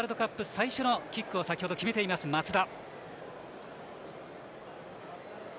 最初のキックを先ほど決めています、松田。